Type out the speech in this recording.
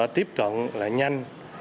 tiếp cận nhanh